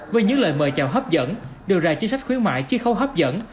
với những lời mời chào hấp dẫn đưa ra chính sách khuyến mại chi khấu hấp dẫn